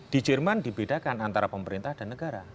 di jerman dibedakan antara pemerintah dan negara